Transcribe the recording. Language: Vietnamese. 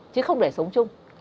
chứ không để sống chung